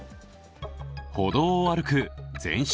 歩道を歩く全身